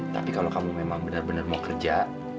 tapi kalau kamu memang benar benar mau kerja